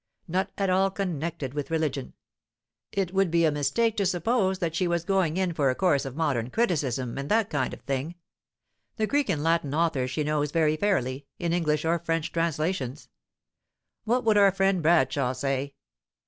Not at all connected with religion; it would be a mistake to suppose that she has been going in for a course of modern criticism, and that kind of thing. The Greek and Latin authors she knows very fairly, in English or French translations. What would our friend Bradshaw say?